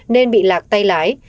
nên bị lạc tay lái